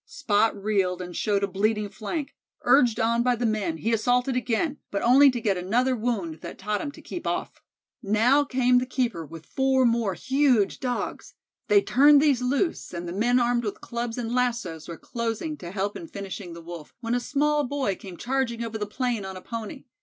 Spot reeled and showed a bleeding flank. Urged on by the men, he assaulted again, but only to get another wound that taught him to keep off. Now came the keeper with four more huge Dogs. They turned these loose, and the men armed with clubs and lassos were closing to help in finishing the Wolf, when a small boy came charging over the plain on a Pony.